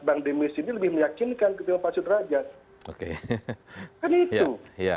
bank denis ini lebih meyakinkan